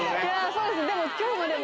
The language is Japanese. そうです